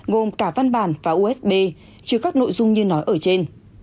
gồm cả văn bản và usb trừ các nội dung như nói ở trên